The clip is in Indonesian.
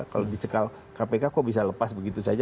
kalau dicekal kpk kok bisa lepas begitu saja